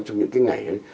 trong những cái ngày ấy